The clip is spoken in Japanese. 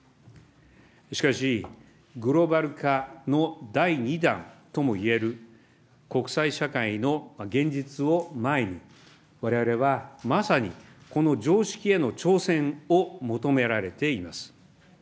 しかしグローバル化の第２弾ともいえる国際社会の現実を前に、われわれはまさに、この常識への挑戦を求められています。